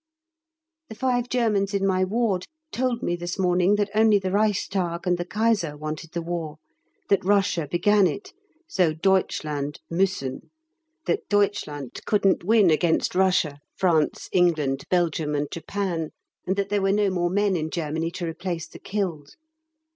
The five Germans in my ward told me this morning that only the Reichstag and the Kaiser wanted the War; that Russia began it, so Deutschland mussen; that Deutschland couldn't win against Russia, France, England, Belgium, and Japan; and that there were no more men in Germany to replace the killed.